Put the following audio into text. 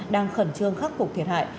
đang khẩn trương khắc phục thiệt hại